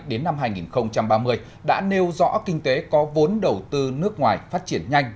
đến năm hai nghìn ba mươi đã nêu rõ kinh tế có vốn đầu tư nước ngoài phát triển nhanh